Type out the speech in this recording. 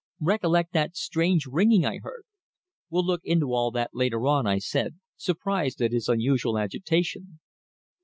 Recollect that strange ringing I heard." "We'll look into all that later on," I said, surprised at his unusual agitation.